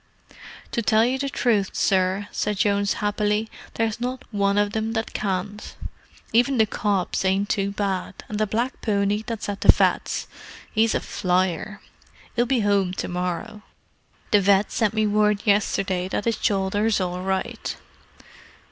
"To tell you the truth, sir," said Jones happily, "there's not one of them that can't. Even the cobs ain't too bad; and the black pony that's at the vet.'s, 'e's a flyer. 'E'll be 'ome to morrow; the vet. sent me word yesterday that 'is shoulder's all right.